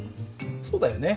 そうだよね。